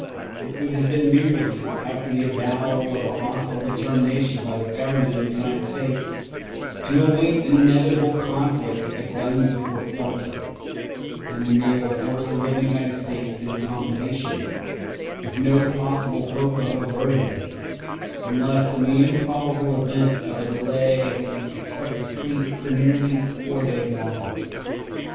It would have been merely, after the avowal of a hostile determination by the Government of the United States, to await an inevitable conflict with the guns of Fort Sumter and the naval forces of the United States in combination; with no possible hope of averting it, unless in the improbable event of a delay of the expected fleet for nearly four days longer.